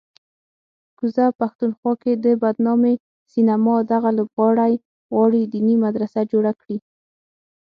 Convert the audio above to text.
کوزه پښتونخوا کې د بدنامې سینما دغه لوبغاړی غواړي دیني مدرسه جوړه کړي